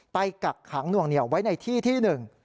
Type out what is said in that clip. กักขังหน่วงเหนียวไว้ในที่ที่หนึ่ง